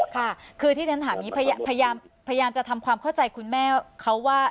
ค่ะคือที่ฉันถามอย่างนี้พยายามจะทำความเข้าใจคุณแม่เขาว่า